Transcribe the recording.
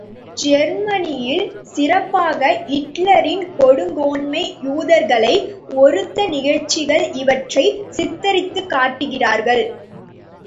ஜெர்மனியில் சிறப்பாக இட்லரின் கொடுங்கோன்மை யூதர்களை ஒறுத்த நிகழ்ச்சிகள் இவற்றைச் சித்திரித்துக் காட்டுகிறார்கள்.